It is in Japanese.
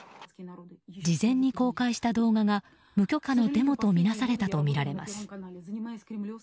事前に公開した動画が無許可のデモとみなされたとみられます。